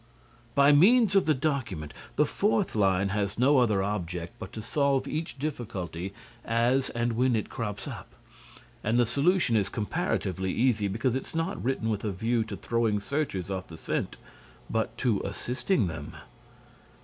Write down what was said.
"By means of the document. The fourth line has no other object but to solve each difficulty as and when it crops up. And the solution is comparatively easy, because it's not written with a view to throwing searchers off the scent, but to assisting them."